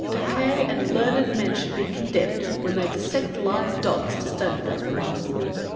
Pequet And learned men should be condemned when they Dissect live dogs to study 'bout the lungs.